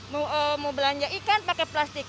mau belanja ikan pakai plastik